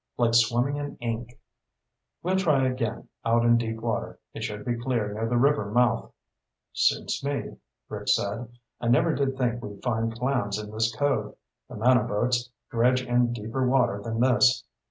"Like swimming in ink." "We'll try again out in deep water. It should be clear near the river mouth." "Suits me," Rick said. "I never did think we'd find clams in this cove. The mano boats dredge in deeper water than this."